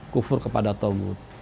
kufur kepada taugud